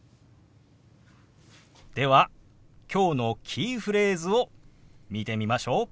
ではきょうのキーフレーズを見てみましょう。